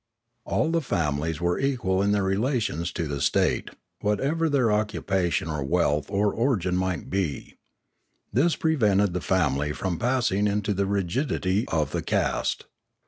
536 Limanora All the families were equal in their relations to the state, whatever their occupation or wealth or origin might be. This prevented the family from passing into the rigidity of the caste.